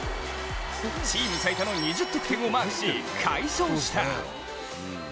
チーム最多の２０得点をマークし、快勝した。